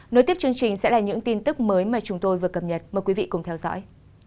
nối tiếp chương trình sẽ là những tin tức mới mà chúng tôi vừa cập nhật mời quý vị cùng theo dõi